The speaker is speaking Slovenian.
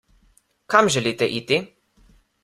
Kam želite iti?